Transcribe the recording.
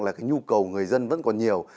là cái nhu cầu người dân vẫn còn nhiều